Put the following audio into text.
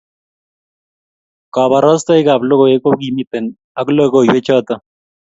Kabarashaik ab lokoiwek ko kimiten ak lokoiwek chaton